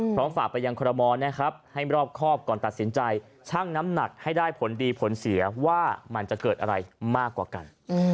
ฝากไปยังคอรมอลนะครับให้รอบครอบก่อนตัดสินใจชั่งน้ำหนักให้ได้ผลดีผลเสียว่ามันจะเกิดอะไรมากกว่ากัน